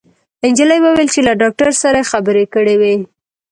انجلۍ وويل چې له ډاکټر سره يې خبرې کړې وې